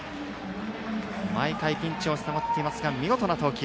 毎回ピンチになっていますが見事な投球。